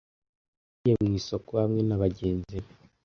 Yagiye mu isoko hamwe nabagenzi be.